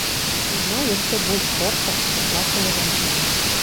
І зноў, яшчэ больш горка, заплакала жанчына.